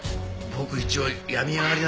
僕一応病み上がりなんだよ。